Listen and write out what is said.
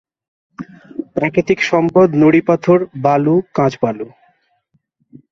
প্রাকৃতিক সম্পদ নুড়িপাথর, বালু, কাঁচবালু।